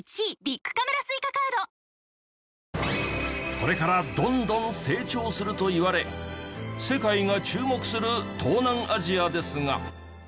これからどんどん成長するといわれ世界が注目する東南アジアですが。